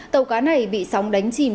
tàu cá này bị sóng đánh chìm